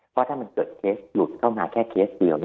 เพราะถ้ามันเกิดเคสหลุดเข้ามาแค่เคสเดียว